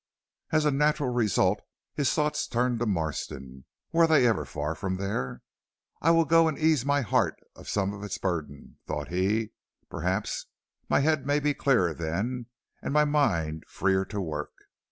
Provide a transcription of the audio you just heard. As a natural result, his thoughts turned to Marston were they ever far away from there? "I will go and ease my heart of some of its burden," thought he; "perhaps my head may be clearer then, and my mind freer for work."